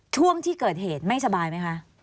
ช่วงที่เกิดเหตุไม่สบายไหมคะ